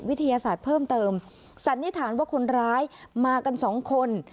วิทยาศาสตร์เพิ่มเติมสันนิษฐานว่าคนร้ายมากันสองคน